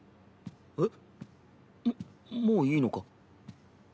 えっ？ももういいのか？